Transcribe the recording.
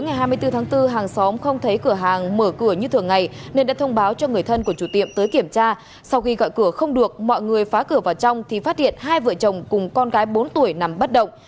ngày hai mươi bốn tháng bốn hàng xóm không thấy cửa hàng mở cửa như thường ngày nên đã thông báo cho người thân của chủ tiệm tới kiểm tra sau khi gọi cửa không được mọi người phá cửa vào trong thì phát hiện hai vợ chồng cùng con gái bốn tuổi nằm bất động